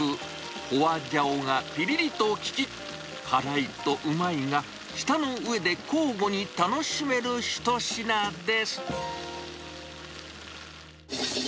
ホアジャオがぴりりと効き、辛いとうまいが、舌の上で交互に楽しめる一品です。